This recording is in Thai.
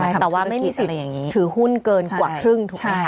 ใช่แต่ว่าไม่มีสิทธิ์อะไรอย่างงี้ถือหุ้นเกินกว่าครึ่งใช่